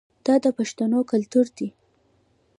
دا د پښتنو کلتور دی.